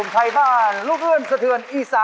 ช่วยฝังดินหรือกว่า